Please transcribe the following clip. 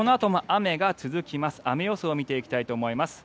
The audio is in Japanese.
雨予想を見ていきたいと思います。